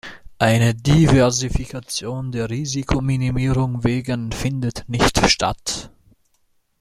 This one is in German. Eine Diversifikation der Risikominimierung wegen findet nicht statt.